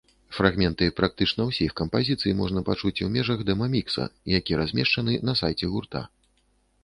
Фрагменты практычна ўсіх кампазіцый можна пачуць у межах дэма-мікса, які размешчаны на сайце гурта.